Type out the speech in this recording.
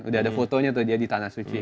udah ada fotonya tuh dia di tanah suci